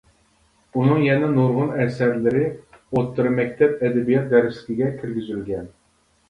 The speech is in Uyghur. ئۇنىڭ يەنە نۇرغۇن ئەسەرلىرى ئوتتۇرا مەكتەپ ئەدەبىيات دەرسلىكىگە كىرگۈزۈلگەن.